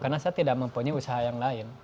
karena saya tidak mempunyai usaha yang lain